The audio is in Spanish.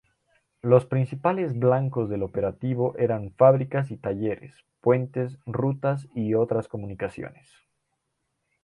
Los principales blancos del operativo eran fábricas y talleres, puentes, rutas y otras comunicaciones.